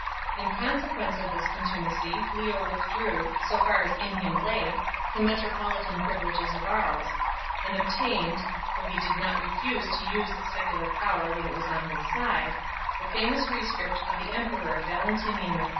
In consequence of this contumacy Leo withdrew, so far as in him lay, the metropolitan privileges of Aries 2 , and obtained for he did not refuse to use the secular power when it was on his side the famous rescript of the emperor Valentinian III.